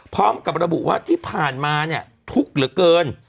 พร้อมกับระบุว่าที่ผ่านมาเนี่ยทุกข์เหลือเกิน